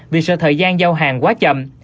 vì sợ thời gian giao hàng quá chậm